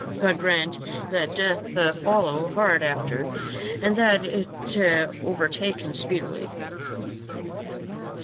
God grant that death follow hard after, and that it overtake him speedily."